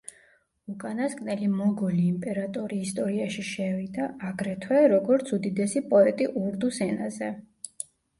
უკანასკნელი მოგოლი იმპერატორი ისტორიაში შევიდა, აგრეთვე, როგორც უდიდესი პოეტი ურდუს ენაზე.